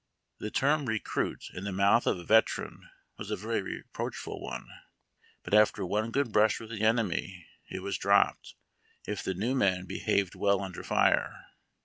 The term "recruit" in the mouth of a veteran was a very reproachful one, Init after one good brush with the enemy it was dropped, if the new men behaved well under fire.